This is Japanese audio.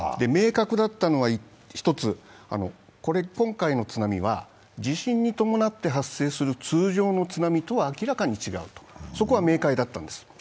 明確だったのは１つ、今回の津波は地震に伴って発生する通常の津波とは明らかに違う、そこは明快だったんです。